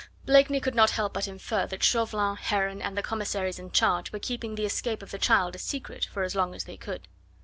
Blakeney could not help but infer that Chauvelin, Heron and the commissaries in charge were keeping the escape of the child a secret for as long as they could.